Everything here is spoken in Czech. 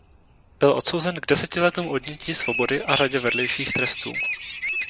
Byl odsouzen k deseti letům odnětí svobody a řadě vedlejších trestů.